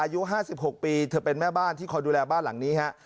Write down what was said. อายุ๕๖ปีเธอเป็นแม่บ้านที่คอยดูแลบ้านหลังนี้ฮะ